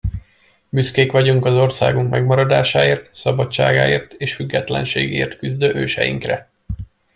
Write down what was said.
Büszkék vagyunk az országunk megmaradásáért, szabadságáért és függetlenségéért küzdő őseinkre.